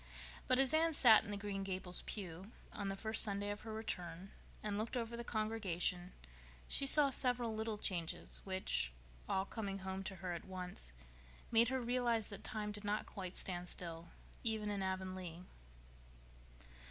But as Anne sat in the Green Gables pew, on the first Sunday after her return, and looked over the congregation, she saw several little changes which, all coming home to her at once, made her realize that time did not quite stand still, even in Avonlea.